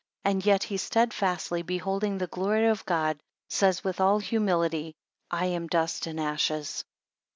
And yet he steadfastly beholding the glory of God, says with all humility, I am dust and ashes.